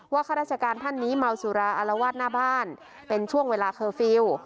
ข้าราชการท่านนี้เมาสุราอารวาสหน้าบ้านเป็นช่วงเวลาเคอร์ฟิลล์